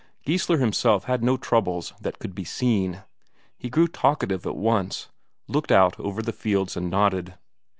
Geissler himself had no troubles that could be seen; he grew talkative at once, looked out over the fields and nodded.